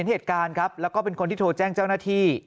เห็นเหตุการณ์ครับแล้วก็เป็นคนที่โทรแจ้งเจ้าหน้าที่